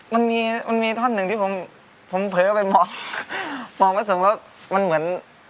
มันมีมันมีท่อนหนึ่งที่ผมผมเผลอไปมองมองไปถึงแล้วมันเหมือน